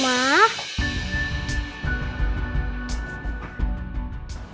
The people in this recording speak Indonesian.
mau bekerja kan